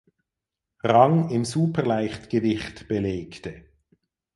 Rang im Superleichtgewicht belegte.